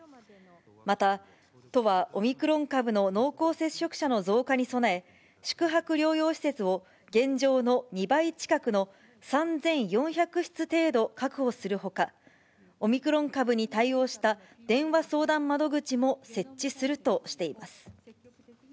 また、都はオミクロン株の濃厚接触者の増加に備え、宿泊療養施設を現状の２倍近くの３４００室程度、確保するほか、オミクロン株に対応した電話相談窓口も設置するとしています。